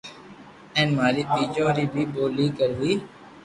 ھين ماري ٻچو ري بو پوري ڪروي